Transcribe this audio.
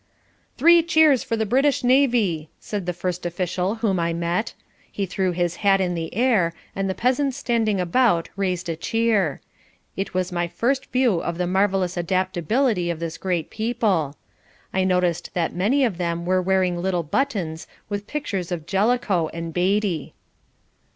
"Three Cheers for the British Navy!" said the first official whom I met. He threw his hat in the air and the peasants standing about raised a cheer. It was my first view of the marvellous adaptability of this great people. I noticed that many of them were wearing little buttons with pictures of Jellicoe and Beatty.